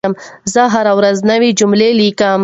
زه هره ورځ نوي جملې لیکم.